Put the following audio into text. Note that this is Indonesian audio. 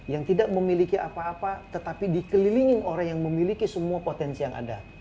yang tidak memiliki apa apa tetapi dikelilingi orang yang memiliki semua potensi yang ada